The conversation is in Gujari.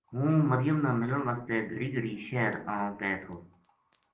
ہوں مریم نا ملن واسطے گھڑی گھڑی شہر آنو پے تھو